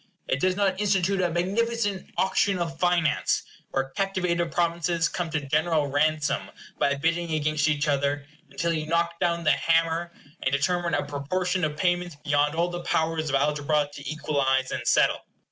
It does not institute a magnificent auction of finance, where captivated provinces come to general ransom by bidding against each other, until you knock down the hammer, and determine a proportion of payments beyond all the powers of algebra to equalize and settle.